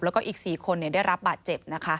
แล้วก็อีก๔คนได้รับบาดเจ็บนะคะ